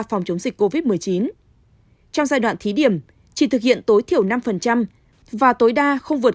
phòng chống dịch covid một mươi chín trong giai đoạn thí điểm chỉ thực hiện tối thiểu năm và tối đa không vượt